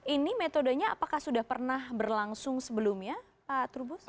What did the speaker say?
ini metodenya apakah sudah pernah berlangsung sebelumnya pak trubus